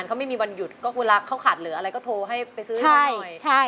รักเขาขาดเหลืออะไรก็โทรให้ไปซื้อให้เขาหน่อย